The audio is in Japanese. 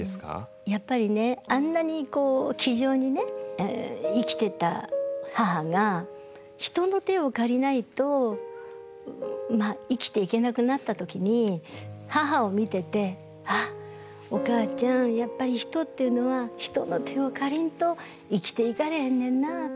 やっぱりねあんなにねこう気丈にね生きてた母が人の手を借りないと生きていけなくなった時に母を見てて「あっおかあちゃんやっぱり人っていうのは人の手を借りんと生きていかれへんねんな」って。